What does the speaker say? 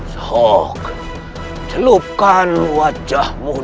sok celupkan wajahmu